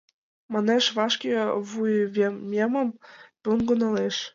Манеш, вашке вуйвемемым поҥго налеш.